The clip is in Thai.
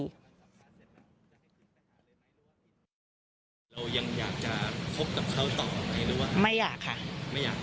เรายังอยากจะคบกับเขาต่อไหมหรือว่าไม่อยากค่ะ